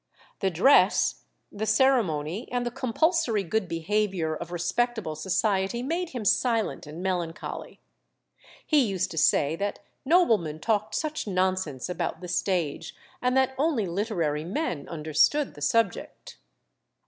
The dress, the ceremony, and the compulsory good behaviour of respectable society made him silent and melancholy. He used to say that noblemen talked such nonsense about the stage, and that only literary men understood the subject.